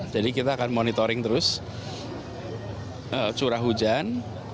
jadi kita akan monitoring terus curah hujan